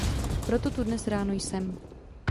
Proto tu dnes ráno jsem.